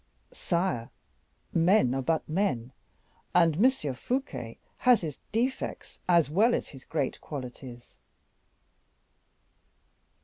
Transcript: "Sire, men are but men, and M. Fouquet has his defects as well as his great qualities."